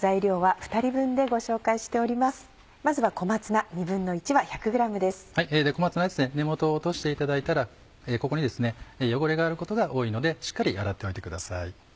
小松菜は根元を落としていただいたらここに汚れがあることが多いのでしっかり洗っておいてください。